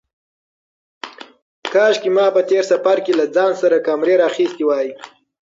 کاشکې ما په تېر سفر کې له ځان سره کمرې راخیستې وای.